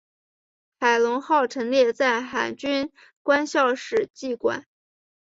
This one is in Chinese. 海龙号陈列在海军官校史绩馆。